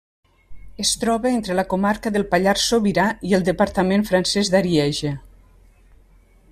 Es troba entre la comarca del Pallars Sobirà i el departament francès d'Arieja.